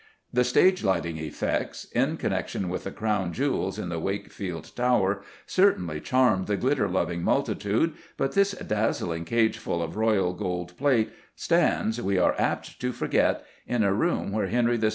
The stage lighting effects in connection with the Crown Jewels in the Wakefield Tower certainly charm the glitter loving multitude, but this dazzling cageful of royal gold plate stands, we are apt to forget, in a room where Henry VI.